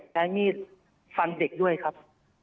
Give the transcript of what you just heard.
ใช้มีดฟันเด็กด้วยครับ